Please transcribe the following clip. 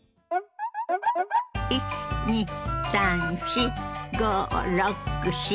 １２３４５６７８。